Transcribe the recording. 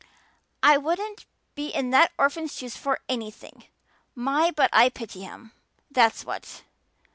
I wouldn't be in that orphan's shoes for anything. My, but I pity him, that's what."